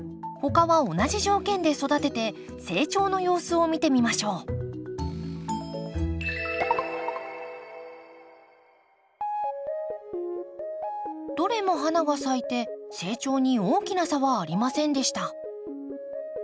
他は同じ条件で育てて成長の様子を見てみましょうどれも花が咲いて成長に大きな差はありませんでした。